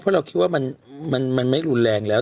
เพราะเราคิดว่ามันไม่รุนแรงแล้ว